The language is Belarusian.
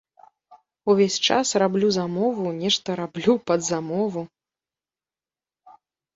Увесь час раблю замову, нешта раблю пад замову.